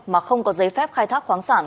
mà không có giấy phép khai thác khoáng sản